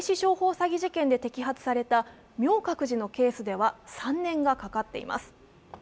詐欺商法で摘発された明覚寺のケースでは３年がかかっています。